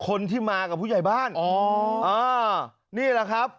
คนที่มากับผู้ใหญ่บ้านอ๋ออ่านี่แหละครับ